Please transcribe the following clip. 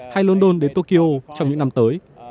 hay london đến tokyo trong những năm tới